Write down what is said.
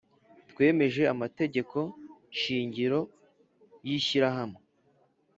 Twemeje Amategeko shingiro y Ishyirahamwe